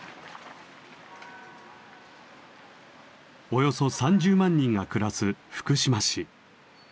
およそ３０万人が暮らす福島市。